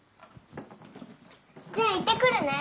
じゃあ行ってくるね。